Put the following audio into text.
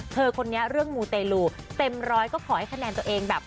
คนนี้เรื่องมูเตลูเต็มร้อยก็ขอให้คะแนนตัวเองแบบ